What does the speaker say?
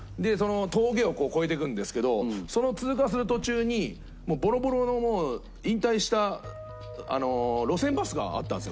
峠を越えていくんですけどその通過する途中にボロボロのもう引退した路線バスがあったんですよ。